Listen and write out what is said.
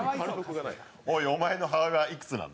おい、お前の母親はいくつなんだ？